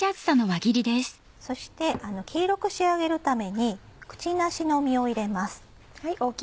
そして黄色く仕上げるためにくちなしの実を入れます。